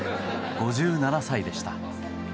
５７歳でした。